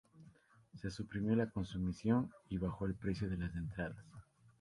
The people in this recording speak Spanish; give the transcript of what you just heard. Se suprimió la consumición y bajó el precio de las entradas.